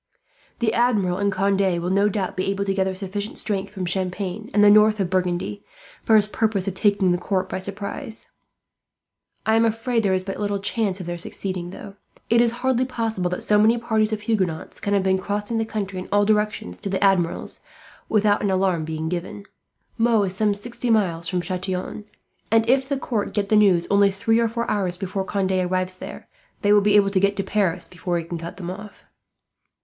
The Admiral and Conde will no doubt be able to gather sufficient strength, from Champagne and the north of Burgundy, for his purpose of taking the court by surprise. "I am afraid there is but little chance of their succeeding. It is hardly possible that so many parties of Huguenots can have been crossing the country in all directions to the Admiral's, without an alarm being given. Meaux is some sixty miles from Chatillon, and if the court get the news only three or four hours before Conde arrives there, they will be able to get to Paris before he can cut them off."